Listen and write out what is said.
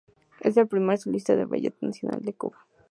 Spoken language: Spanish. Es primer solista del Ballet Nacional de Cuba.